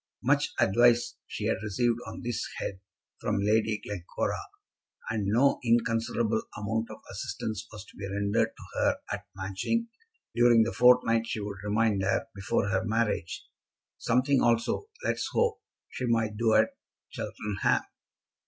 Much advice she had received on this head from Lady Glencora, and no inconsiderable amount of assistance was to be rendered to her at Matching during the fortnight she would remain there before her marriage. Something also, let us hope, she might do at Cheltenham.